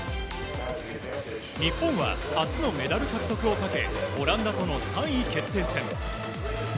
日本は、初のメダル獲得をかけオランダとの３位決定戦。